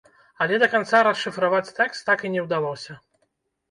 Але да канца расшыфраваць тэкст так і не ўдалося.